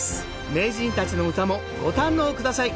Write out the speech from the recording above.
名人たちの唄もご堪能下さい